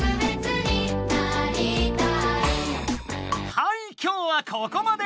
はい今日はここまで！